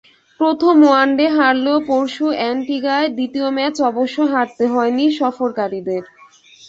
প্রথম ওয়ানডে হারলেও পরশু অ্যান্টিগায় দ্বিতীয় ম্যাচ অবশ্য হারতে হয়নি সফরকারীদের।